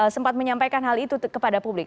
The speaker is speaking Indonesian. sempat menyampaikan hal itu kepada publik